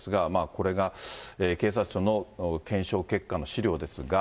これが警察庁の検証結果の資料ですが。